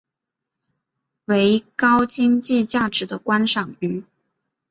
为高经济价值的观赏鱼。